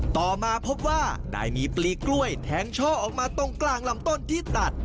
ต่อมาพบว่าได้มีปลีกล้วยแทงช่อออกมาตรงกลางลำต้นที่ตัด